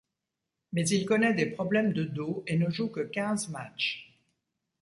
Mais il connaît des problèmes de dos et ne joue que quinze matchs.